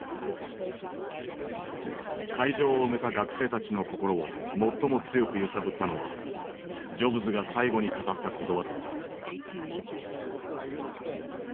会場を埋めた学生たちの心を最も強く揺さぶったのはジョブズが最後に語った言葉だった。